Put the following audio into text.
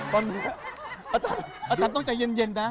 ตอนนี้อาจารย์ต้องใจเย็นนะ